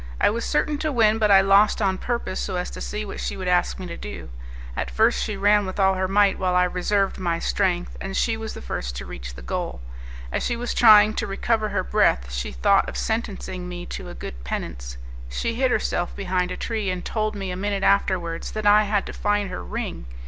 I was certain to win, but I lost on purpose, so as to see what she would ask me to do. At first she ran with all her might while I reserved my strength, and she was the first to reach the goal. As she was trying to recover her breath, she thought of sentencing me to a good penance: she hid herself behind a tree and told me, a minute afterwards, that I had to find her ring.